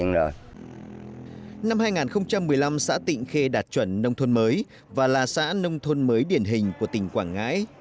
năm hai nghìn một mươi năm xã tịnh khê đạt chuẩn nông thôn mới và là số một trong số nông thôn mới điển hình của tỉnh quảng ngãi